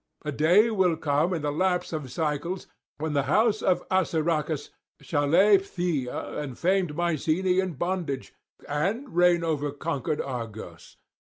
A day will come in the lapse of cycles, when the house of Assaracus shall lay Phthia and famed Mycenae in bondage, and reign over conquered Argos.